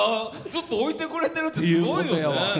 ずっと置いてくれてるってすごいよね。